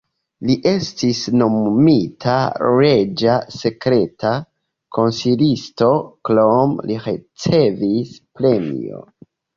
Li estis nomumita reĝa sekreta konsilisto, krome li ricevis premion.